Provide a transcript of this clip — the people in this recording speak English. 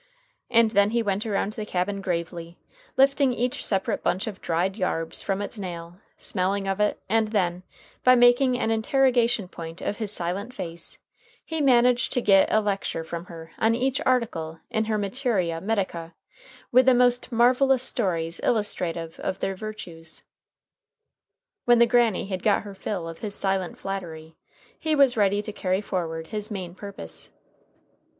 And then he went round the cabin gravely, lifting each separate bunch of dried yarbs from its nail, smelling of it, and then, by making an interrogation point of his silent face, he managed to get a lecture from her on each article in her _materia medica_> with the most marvelous stories illustrative of their virtues. When the Granny had got her fill of his silent flattery, he was ready to carry forward his main purpose.